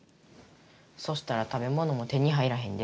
そしたら食べものも手に入らへんで。